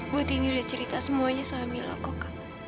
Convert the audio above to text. bu tini udah cerita semuanya soal mila kok